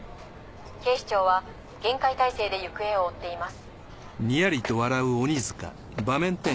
警視庁は厳戒態勢で行方を追っています。